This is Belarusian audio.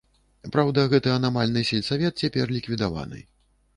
Праўда, гэты анамальны сельсавет цяпер ліквідаваны.